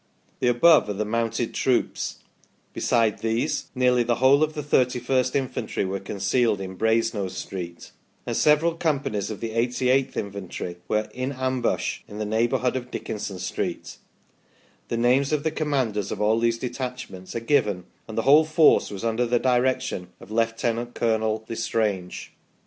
The above are the mounted troops ; besides these nearly the whole of the 3 1 st Infantry were concealed in Brasenose Street ; and several companies of the 88th Infantry were " in ambush " in the neighbourhood of Dickinson Street ; the names of the commanders of all these detachments are given, and the whole force was under the direction of Lieut. Colonel L' Estrange.